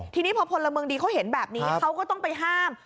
ทีนี้พอพลเมืองดีเขาเห็นแบบนี้เขาก็ต้องไปห้าม